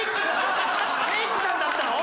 ⁉メイクさんだったの？